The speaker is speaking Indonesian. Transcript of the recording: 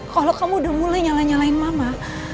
kalo kamu udah mulai nyalah nyalain mama